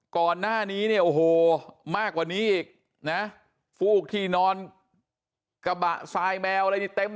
ก่อนหน้านี้เนี่ยโอ้โหมากกว่านี้อีกนะฟูกที่นอนกระบะทรายแมวอะไรนี่เต็ม